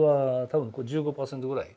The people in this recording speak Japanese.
多分１５％ぐらい。